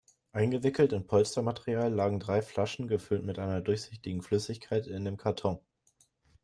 Eingewickelt in Polstermaterial lagen drei Flaschen, gefüllt mit einer durchsichtigen Flüssigkeit, in dem Karton.